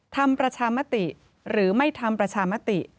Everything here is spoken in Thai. ทำประชามติหรือไม่ทำประชามติ